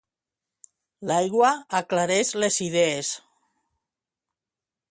L'aigua aclareix les idees